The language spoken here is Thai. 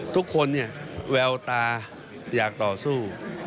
ทุกคนแววตาอยากต่อสู้